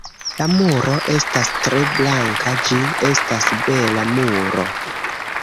La muro estas tre blanka, ĝi estas bela muro.